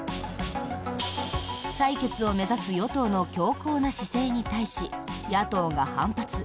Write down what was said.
採決を目指す与党の強硬な姿勢に対し、野党が反発。